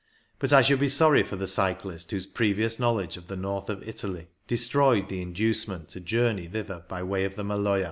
But I should be sorry for the cyclist whose previous knowledge of the north of Italy destroyed the inducement to journey thither by way of the Maloja.